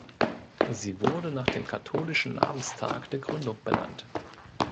Sie wurde nach dem katholischen Namenstag der Gründung benannt.